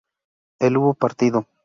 ¿él hubo partido?